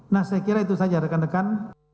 nah saya kira itu saja rekan rekan